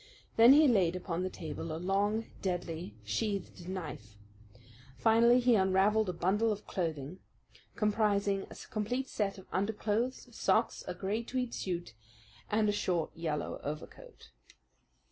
Then he laid upon the table a long, deadly, sheathed knife. Finally he unravelled a bundle of clothing, comprising a complete set of underclothes, socks, a gray tweed suit, and a short yellow overcoat.